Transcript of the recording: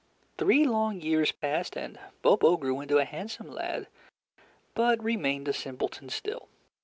Three long years passed, and Bobo grew into a handsome lad, but remained a simpleton still.